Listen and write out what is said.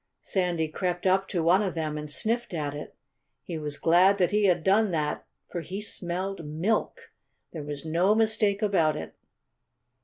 Sandy crept up to one of them and sniffed at it. He was glad that he had done that, for he smelled milk. There was no mistake about it.